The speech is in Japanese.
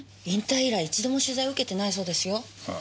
引退以来一度も取材受けてないそうですよ。